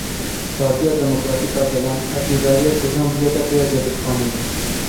Partiya Demokratîk a Gelan: Erdnîgariya Kurdan bûye depoya cebilxaneyê.